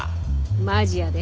マジやで。